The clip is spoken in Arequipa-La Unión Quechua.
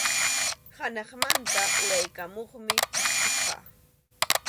Hanaqmanta uraykamuqmi chikchiqa.